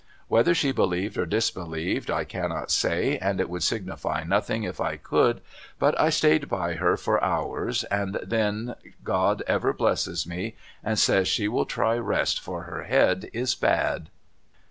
Whether she believed or disbelieved I cannot say and it would signify nothing if I could, but I stayed by her for hours and TOWARDS THE RIVER 337 then she God ever blesses me ! and says she will try to rest for her head is bad.